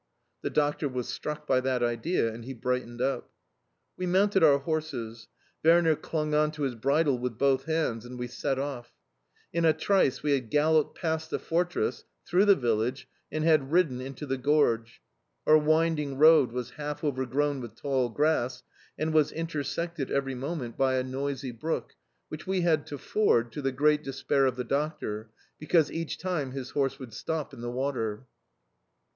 The doctor was struck by that idea, and he brightened up. We mounted our horses. Werner clung on to his bridle with both hands, and we set off. In a trice we had galloped past the fortress, through the village, and had ridden into the gorge. Our winding road was half overgrown with tall grass and was intersected every moment by a noisy brook, which we had to ford, to the great despair of the doctor, because each time his horse would stop in the water.